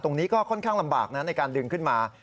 ตรงนี้ก็ค่อนข้างลำบากนะในการดึงขึ้นมา